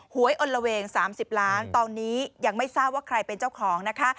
วยอดเวง๓๐ล้านตอนนี้ยังไม่ทราบว่าใครเป็นเจ้าของนะคะ